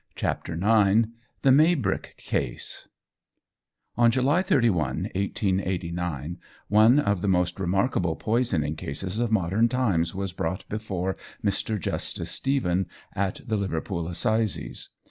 CHAPTER IX THE MAYBRICK CASE ON July 31, 1889, one of the most remarkable poisoning cases of modern times was brought before Mr. Justice Stephen, at the Liverpool Assizes.